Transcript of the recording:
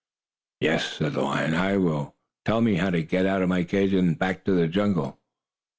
"Yes," said the lion, "I will. Tell me how to get out of my cage and back to the jungle."